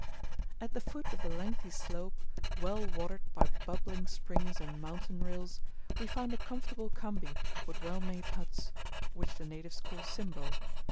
At the foot of the lengthy slope, well watered by bubbling springs and mountain rills, we found a comfortable khambi with well made huts, which the natives call Simbo.